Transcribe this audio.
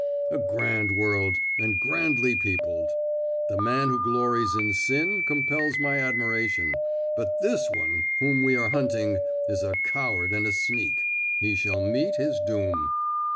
A grand world, and grandly peopled! The man who glories in sin compels my admiration; but this one whom we are hunting is a coward and a sneak. He shall meet his doom!"